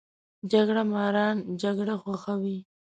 جګړه ماران جګړه خوښوي